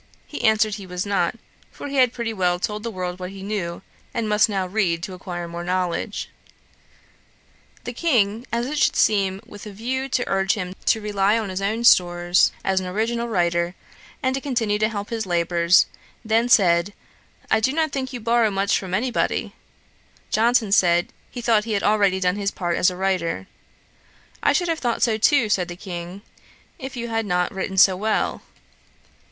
He answered, he was not, for he had pretty well told the world what he knew, and must now read to acquire more knowledge. The King, as it should seem with a view to urge him to rely on his own stores as an original writer, and to continue his labours, then said 'I do not think you borrow much from any body.' Johnson said, he thought he had already done his part as a writer. 'I should have thought so too, (said the King,) if you had not written so well.'